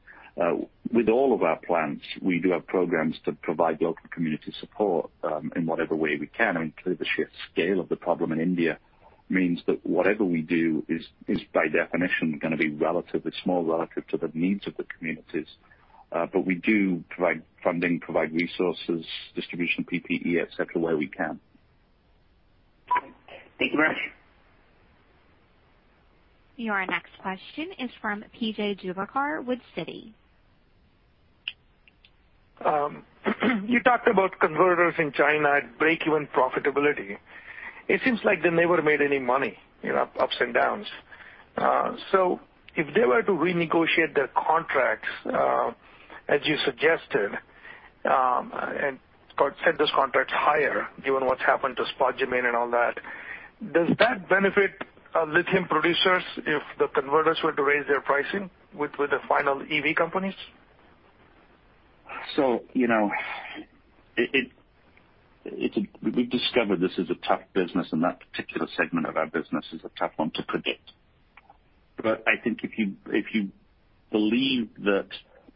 With all of our plants, we do have programs to provide local community support in whatever way we can. Clearly, the sheer scale of the problem in India means that whatever we do is by definition going to be relatively small relative to the needs of the communities. We do provide funding, provide resources, distribution, PPE, et cetera, where we can. Thank you very much. Your next question is from P.J. Juvekar with Citi. You talked about converters in China at breakeven profitability. It seems like they never made any money, ups and downs. If they were to renegotiate their contracts, as you suggested, and set those contracts higher given what's happened to spodumene and all that, does that benefit lithium producers if the converters were to raise their pricing with the final EV companies? We've discovered this is a tough business, and that particular segment of our business is a tough one to predict. I think if you believe that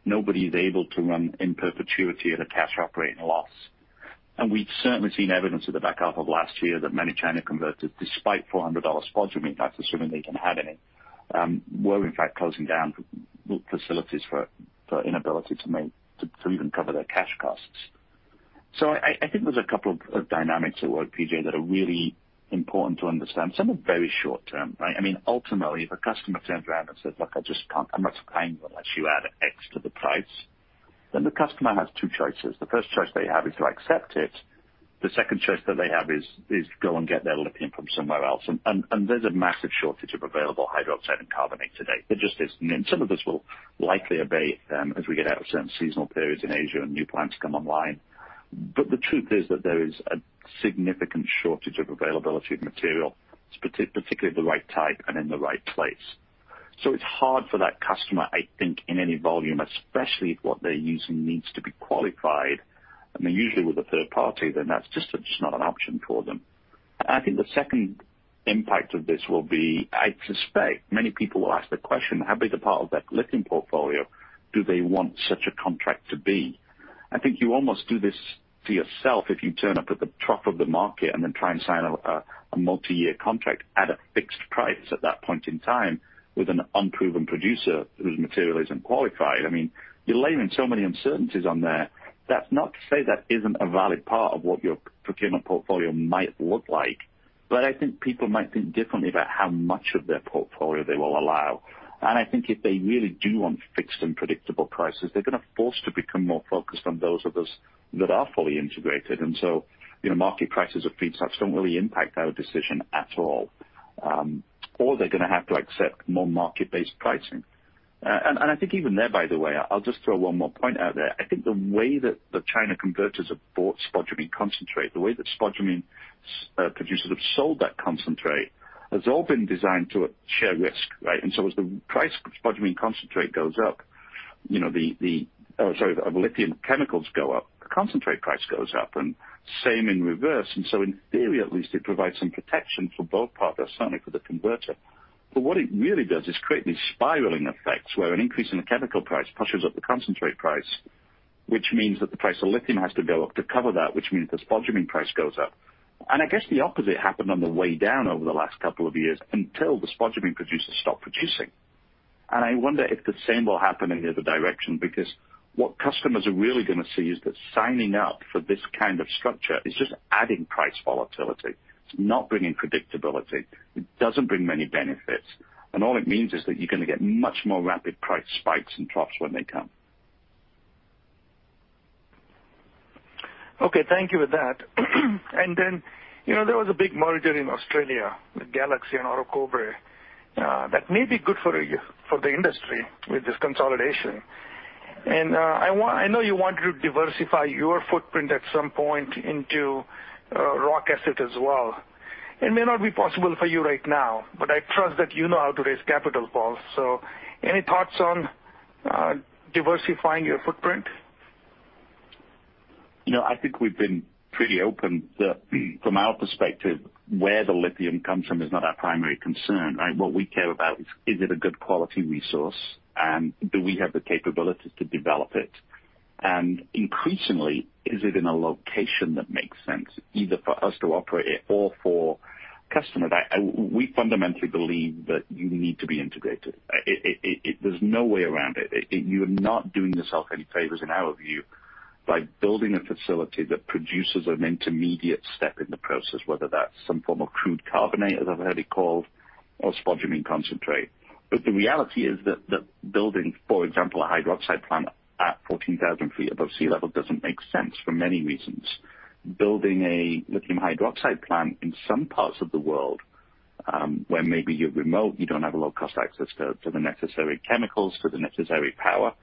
nobody is able to run in perpetuity at a cash operating loss, and we've certainly seen evidence of the back half of last year that many China converters, despite $400 spodumene, that's assuming they can have any, were in fact closing down facilities for inability to even cover their cash costs. I think there's a couple of dynamics at work, P.J., that are really important to understand. Some are very short-term, right? Ultimately, if a customer turns around and says, "Look, I just can't. I'm not paying unless you add X to the price," then the customer has two choices. The first choice they have is to accept it. The second choice that they have is to go and get their lithium from somewhere else. There's a massive shortage of available hydroxide and carbonate today. There just is. Some of this will likely abate as we get out of certain seasonal periods in Asia and new plants come online. The truth is that there is a significant shortage of availability of material, particularly of the right type and in the right place. It's hard for that customer, I think, in any volume, especially if what they're using needs to be qualified, and usually with a third party, then that's just not an option for them. I think the second impact of this will be, I suspect many people will ask the question, how big a part of that lithium portfolio do they want such a contract to be? I think you almost do this to yourself if you turn up at the trough of the market and then try and sign a multi-year contract at a fixed price at that point in time with an unproven producer whose material isn't qualified. You're laying so many uncertainties on there. That's not to say that isn't a valid part of what your procurement portfolio might look like. But I think people might think differently about how much of their portfolio they will allow. I think if they really do want fixed and predictable prices, they're going to be forced to become more focused on those of us that are fully integrated. Market prices of feedstocks don't really impact our decision at all. They're going to have to accept more market-based pricing. I think even there, by the way, I'll just throw one more point out there. I think the way that the China converters have bought spodumene concentrate, the way that spodumene producers have sold that concentrate, has all been designed to share risk, right? As the price of spodumene concentrate goes up, oh, sorry, of lithium chemicals go up, the concentrate price goes up and same in reverse. In theory, at least, it provides some protection for both parties, certainly for the converter. What it really does is create these spiraling effects where an increase in the chemical price pushes up the concentrate price, which means that the price of lithium has to go up to cover that, which means the spodumene price goes up. I guess the opposite happened on the way down over the last couple of years until the spodumene producers stopped producing. I wonder if the same will happen in the other direction, because what customers are really going to see is that signing up for this kind of structure is just adding price volatility. It's not bringing predictability. It doesn't bring many benefits. All it means is that you're going to get much more rapid price spikes and drops when they come. Okay. Thank you for that. There was a big merger in Australia with Galaxy and Orocobre. That may be good for the industry with this consolidation. I know you wanted to diversify your footprint at some point into rock asset as well. It may not be possible for you right now, I trust that you know how to raise capital, Paul. Any thoughts on diversifying your footprint? I think we've been pretty open that from our perspective, where the lithium comes from is not our primary concern, right? What we care about is it a good quality resource, and do we have the capabilities to develop it? And increasingly, is it in a location that makes sense either for us to operate it or for customers? We fundamentally believe that you need to be integrated. There's no way around it. You're not doing yourself any favors, in our view, by building a facility that produces an intermediate step in the process, whether that's some form of crude carbonate, as I've heard it called, or spodumene concentrate. The reality is that building, for example, a hydroxide plant at 14,000 ft above sea level doesn't make sense for many reasons. Building a lithium hydroxide plant in some parts of the world, where maybe you're remote, you don't have low-cost access to the necessary chemicals, to the necessary power,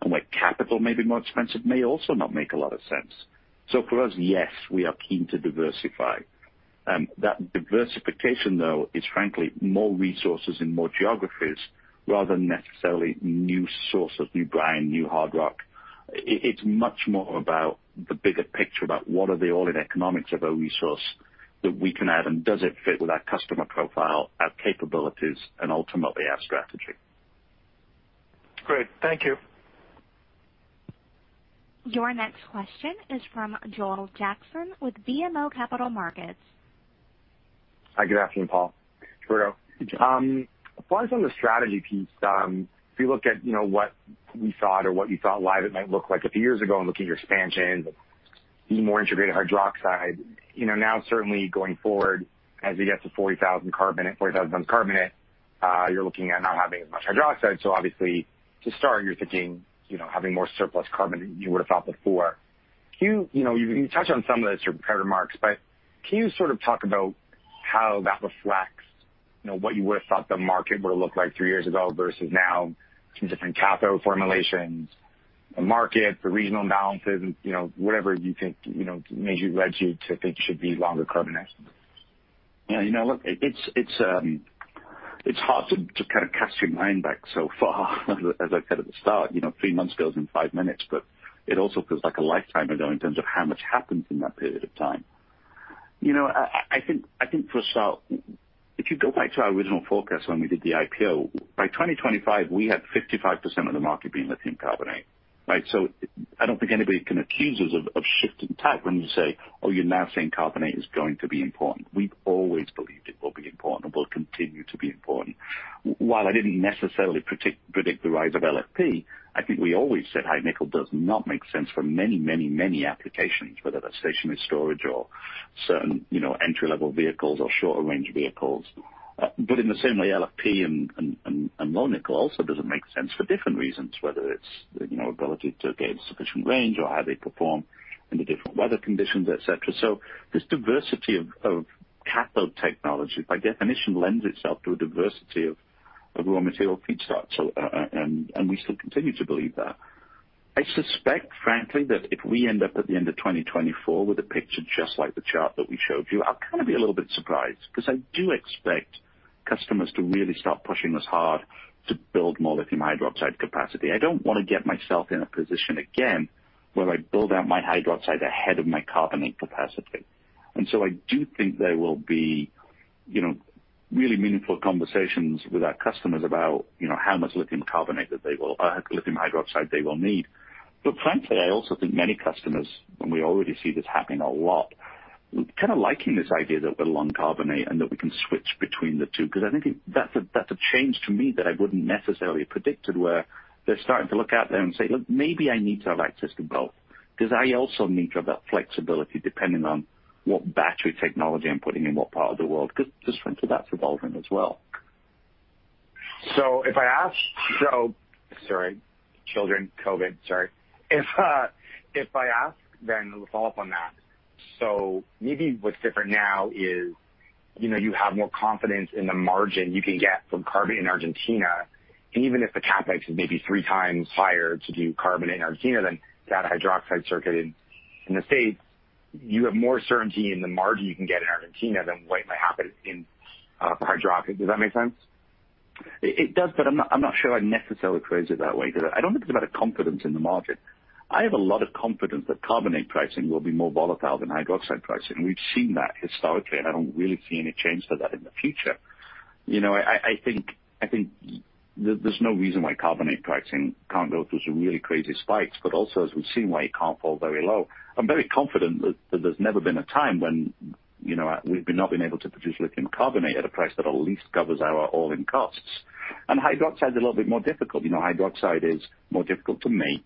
and where capital may be more expensive, may also not make a lot of sense. For us, yes, we are keen to diversify. That diversification, though, is frankly, more resources in more geographies rather than necessarily new sources, new brine, new hard rock. It's much more about the bigger picture about what are the all-in economics of a resource that we can add, and does it fit with our customer profile, our capabilities, and ultimately our strategy. Great. Thank you. Your next question is from Joel Jackson with BMO Capital Markets. Hi, good afternoon, Paul, Gilberto. Hi, Joel. Just on the strategy piece, if you look at what we thought or what you thought Livent might look like a few years ago and look at your expansions and being more integrated hydroxide. Now certainly going forward as we get to 40,000 tons carbonate, you're looking at not having as much hydroxide. Obviously to start, you're thinking, having more surplus carbonate than you would've thought before. You touched on some of this in your prepared remarks, but can you talk about how that reflects what you would've thought the market would've looked like three years ago versus now between different cathode formulations, the market, the regional imbalances, whatever you think led you to think you should be longer carbonate? Yeah. Look, it's hard to cast your mind back so far as I said at the start, three months goes in five minutes, but it also feels like a lifetime ago in terms of how much happened in that period of time. I think for a start, if you go back to our original forecast when we did the IPO, by 2025, we had 55% of the market being lithium carbonate, right? I don't think anybody can accuse us of shifting tack when you say, "Oh, you're now saying carbonate is going to be important." We've always believed it will be important and will continue to be important. While I didn't necessarily predict the rise of LFP, I think we always said high nickel does not make sense for many, many, many applications, whether that's stationary storage or certain entry-level vehicles or shorter-range vehicles. In the same way, LFP and low nickel also doesn't make sense for different reasons, whether it's ability to gain sufficient range or how they perform under different weather conditions, et cetera. This diversity of cathode technology, by definition, lends itself to a diversity of raw material feedstocks, and we still continue to believe that. I suspect, frankly, that if we end up at the end of 2024 with a picture just like the chart that we showed you, I'll kind of be a little bit surprised because I do expect customers to really start pushing us hard to build more lithium hydroxide capacity. I don't want to get myself in a position again where I build out my hydroxide ahead of my carbonate capacity. I do think there will be really meaningful conversations with our customers about how much lithium hydroxide they will need. Frankly, I also think many customers, and we already see this happening a lot, are kind of liking this idea that we're long carbonate and that we can switch between the two because I think that's a change to me that I wouldn't necessarily have predicted where they're starting to look out there and say, "Look, maybe I need to have access to both because I also need to have that flexibility depending on what battery technology I'm putting in what part of the world." Because just frankly, that's evolving as well. Children, COVID, sorry. If I ask, then we'll follow up on that. Maybe what's different now is, you have more confidence in the margin you can get from carbonate in Argentina, and even if the CapEx is maybe three times higher to do carbonate in Argentina than that hydroxide circuit in the U.S., you have more certainty in the margin you can get in Argentina than what might happen in hydroxide. Does that make sense? It does, but I'm not sure I'd necessarily phrase it that way, because I don't think it's about a confidence in the margin. I have a lot of confidence that carbonate pricing will be more volatile than hydroxide pricing. We've seen that historically, and I don't really see any change to that in the future. I think there's no reason why carbonate pricing can't go through some really crazy spikes, but also, as we've seen, why it can't fall very low. I'm very confident that there's never been a time when we've not been able to produce lithium carbonate at a price that at least covers our all-in costs. Hydroxide is a little bit more difficult. Hydroxide is more difficult to make.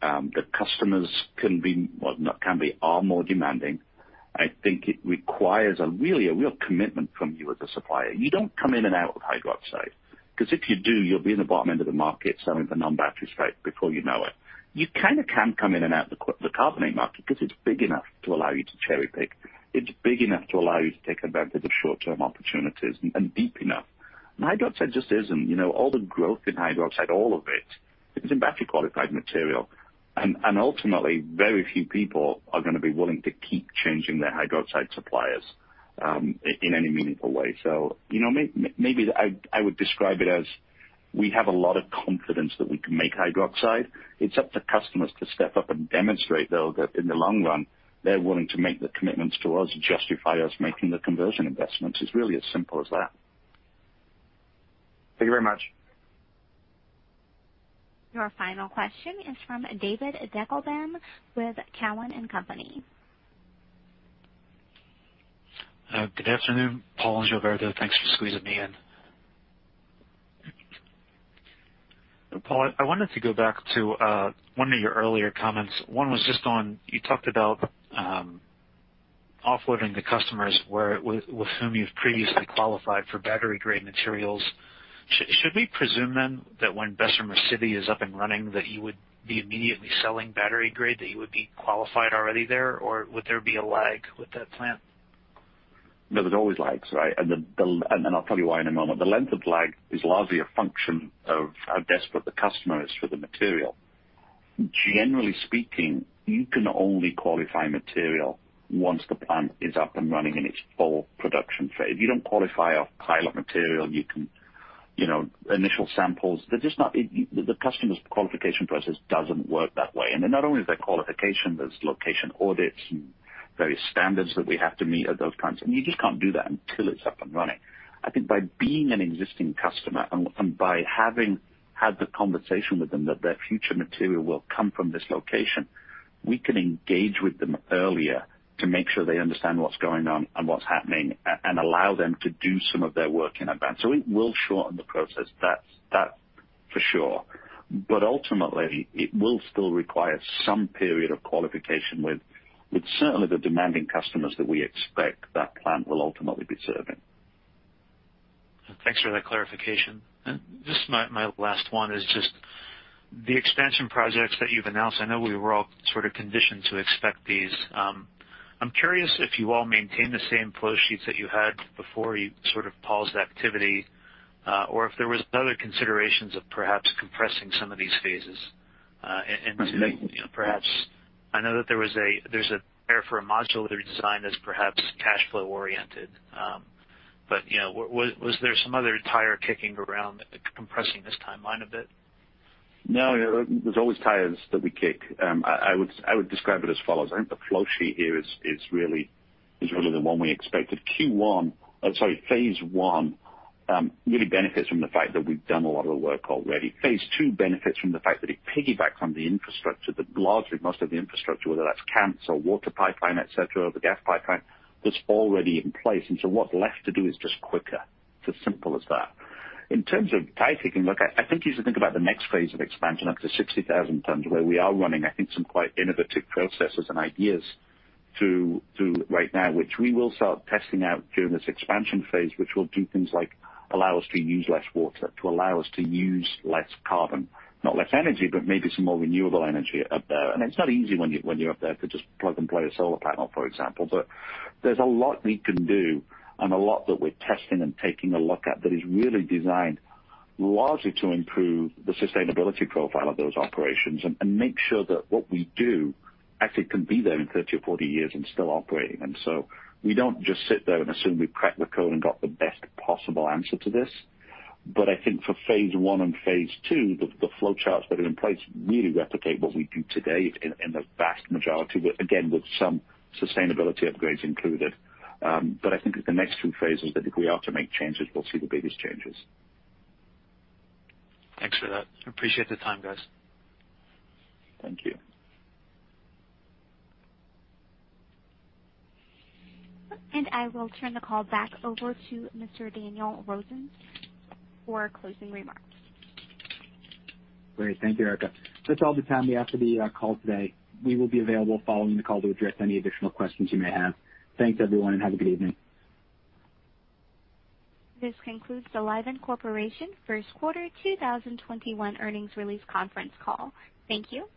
The customers are more demanding. I think it requires a real commitment from you as a supplier. You don't come in and out of hydroxide, because if you do, you'll be in the bottom end of the market selling for non-battery straight before you know it. You kind of can come in and out the carbonate market because it's big enough to allow you to cherry-pick. It's big enough to allow you to take advantage of short-term opportunities and deep enough. Hydroxide just isn't. All the growth in hydroxide, all of it, is in battery-qualified material. Ultimately, very few people are going to be willing to keep changing their hydroxide suppliers in any meaningful way. Maybe I would describe it as we have a lot of confidence that we can make hydroxide. It's up to customers to step up and demonstrate, though, that in the long run, they're willing to make the commitments to us to justify us making the conversion investments. It's really as simple as that. Thank you very much. Your final question is from David Deckelbaum with Cowen and Company. Good afternoon, Paul and Gilberto. Thanks for squeezing me in. Paul, I wanted to go back to one of your earlier comments. One was just on, you talked about offloading the customers with whom you've previously qualified for battery-grade materials. Should we presume that when Bessemer City is up and running, that you would be immediately selling battery grade, that you would be qualified already there, or would there be a lag with that plant? No, there's always lags, right? I'll tell you why in a moment. The length of lag is largely a function of how desperate the customer is for the material. Generally speaking, you can only qualify material once the plant is up and running in its full production phase. You don't qualify off pilot material, initial samples. The customer's qualification process doesn't work that way. Not only is there qualification, there's location audits and various standards that we have to meet at those plants, and you just can't do that until it's up and running. I think by being an existing customer and by having had the conversation with them that their future material will come from this location, we can engage with them earlier to make sure they understand what's going on and what's happening and allow them to do some of their work in advance. It will shorten the process. That's for sure. Ultimately, it will still require some period of qualification with certainly the demanding customers that we expect that plant will ultimately be serving. Thanks for that clarification. Just my last one is just the expansion projects that you've announced, I know we were all sort of conditioned to expect these. I'm curious if you all maintain the same flow sheets that you had before you sort of paused activity, or if there was other considerations of perhaps compressing some of these phases. I know that there's a module that are designed as perhaps cash flow oriented. Was there some other tire kicking around compressing this timeline a bit? No, there's always tires that we kick. I would describe it as follows. I think the flow sheet here is really the one we expected. Q1, sorry, phase I really benefits from the fact that we've done a lot of the work already. Phase II benefits from the fact that it piggybacks on the infrastructure, largely most of the infrastructure, whether that's camps or water pipeline, et cetera, the gas pipeline that's already in place. What's left to do is just quicker. It's as simple as that. In terms of tire kicking, look, I think you should think about the next phase of expansion up to 60,000 tons, where we are running, I think, some quite innovative processes and ideas right now, which we will start testing out during this expansion phase, which will do things like allow us to use less water, to allow us to use less carbon. Not less energy, but maybe some more renewable energy up there. It's not easy when you're up there to just plug and play a solar panel, for example. There's a lot we can do and a lot that we're testing and taking a look at that is really designed largely to improve the sustainability profile of those operations and make sure that what we do actually can be there in 30 or 40 years and still operating. We don't just sit there and assume we've cracked the code and got the best possible answer to this. I think for phase I and phase II, the flowcharts that are in place really replicate what we do today in the vast majority, again, with some sustainability upgrades included. I think it's the next two phases that if we are to make changes, we'll see the biggest changes. Thanks for that. Appreciate the time, guys. Thank you. I will turn the call back over to Mr. Daniel Rosen for closing remarks. Great. Thank you, Erica. That's all the time we have for the call today. We will be available following the call to address any additional questions you may have. Thanks, everyone, and have a good evening. This concludes the Livent Corporation first quarter 2021 earnings release conference call. Thank you.